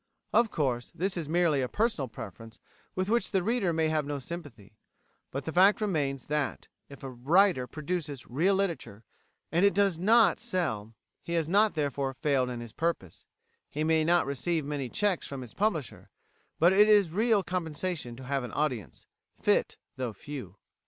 Of course, this is merely a personal preference with which the reader may have no sympathy; but the fact remains that, if a writer produces real literature and it does not sell, he has not therefore failed in his purpose; he may not receive many cheques from his publisher, but it is real compensation to have an audience, "fit though few."